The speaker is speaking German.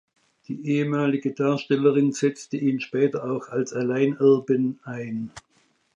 Die ehemalige Darstellerin setzte ihn später auch als Alleinerben ein.